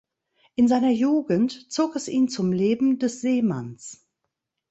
In seiner Jugend zog es ihn zum Leben des Seemanns.